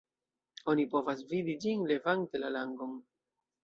Oni povas vidi ĝin levante la langon.